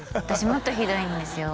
もっとひどいんですよ